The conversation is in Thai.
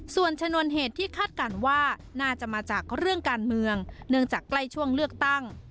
ส่วนชนวนเหตุที่คาดการณ์ว่าน่าจะมาจากเรื่องการเมืองเนื่องจากใกล้ช่วงเลือกตั้ง